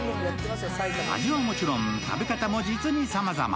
味はもちろん、食べ方も実にさまざま。